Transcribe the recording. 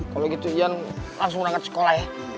kalo gitu ian langsung berangkat sekolah ya